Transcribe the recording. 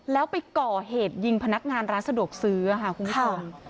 แล้วไปก่อเหตุยิงพนักงานร้านสะดวกซื้อค่ะคุณผู้ชม